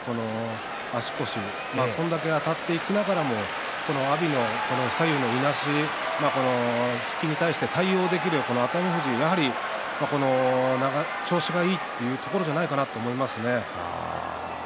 足腰をこれだけあたっていきながらも阿炎の左右のいなし引きに対して対応できる熱海富士調子がいいというところじゃないかなと思いますね。